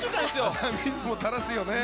鼻水もたらすよね。